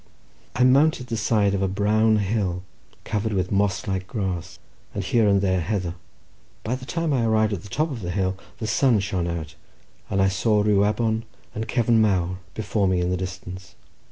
I mounted the side of a brown hill covered with moss like grass, and here and there heather. By the time I arrived at the top of the hill the sun shone out, and I saw Rhiwabon and Cefn Mawr before me in the distance.